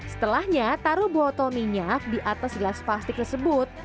setelahnya taruh botol minyak di atas gelas plastik tersebut